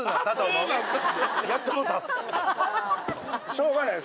しょうがないよ